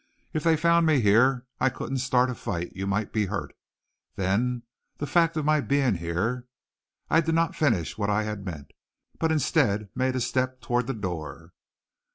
If they found me here I couldn't start a fight. You might be hurt. Then the fact of my being here " I did not finish what I meant, but instead made a step toward the door.